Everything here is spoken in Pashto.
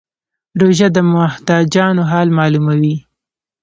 روژه د محتاجانو حال معلوموي.